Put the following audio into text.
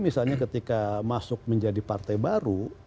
misalnya ketika masuk menjadi partai baru